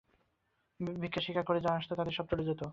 ভিক্ষাশিক্ষা করে যা আসত, তাতেই সব চলে যেত।